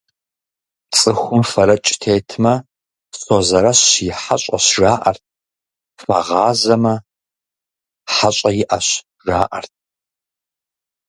Цӏыхум фэрэкӏ тетмэ, «Созэрэщ и хьэщӏэщ» жаӏэрт, фэгъазэмэ, «хьэщӏэ иӏэщ» - жаӏэрт.